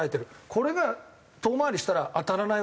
これが遠回りしたら当たらないわけですよ。